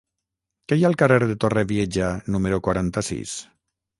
Què hi ha al carrer de Torrevieja número quaranta-sis?